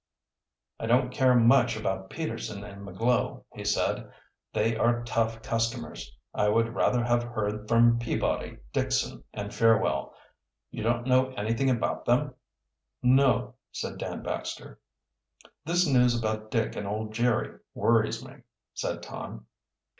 "I don't care much about Peterson and McGlow," he said. "They are tough customers. I would rather have heard from Peabody, Dickson, and Fearwell. You don't know anything about them?" "No," said Dan Baxter. "This news about Dick and old Jerry worries me," said Tom.